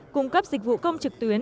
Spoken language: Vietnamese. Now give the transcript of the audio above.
cung cấp dịch vụ công trực tuyến